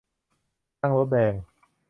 นั่งรถแดง